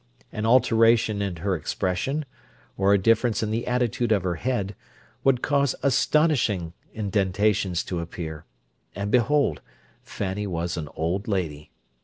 An alteration in her expression, or a difference in the attitude of her head, would cause astonishing indentations to appear—and behold, Fanny was an old lady!